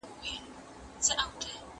¬ ياد مي ته که، موړ به مي خداى کي.